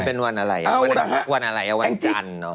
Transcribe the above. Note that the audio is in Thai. ๑๐มันเป็นวันอะไรวันอะไรวันจันทร์